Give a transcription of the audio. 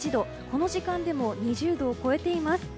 この時間でも２０度を超えています。